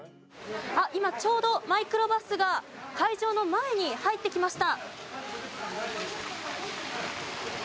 今ちょうどマイクロバスが会場の前に入ってきました。